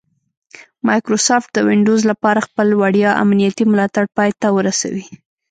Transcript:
مایکروسافټ د ونډوز لپاره خپل وړیا امنیتي ملاتړ پای ته ورسوي